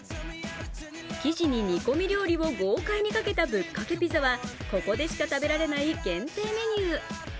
生地に煮込み料理を豪快にかけたぶっかけピザはここでしか食べられない限定メニュー。